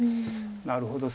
なるほど。